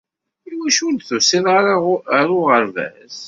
Iwacu ur d-tusiḍ ara ɣer uɣerbaz?